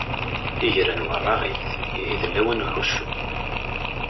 Igran weṛṛaɣit, ihi d lawan n uḥuccu.